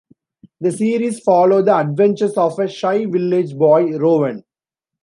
The series follow the adventures of a shy village boy, Rowan.